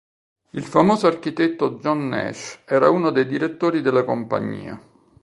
Il famoso architetto John Nash era uno dei direttori della compagnia.